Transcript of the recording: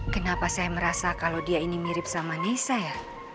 kenapa saya merasa kalau dia ini mirip sama nisa ya